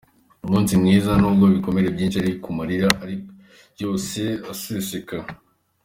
Umunsi mwiza n’ubwo ibikomere ari byinshi amarira ari yose aseseka